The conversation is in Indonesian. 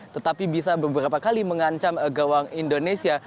tetapi bisa beberapa kali mengancam gawang indonesia